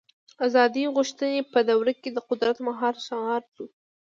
د ازادۍ غوښتنې په دور کې د قدرت مهار شعار شو.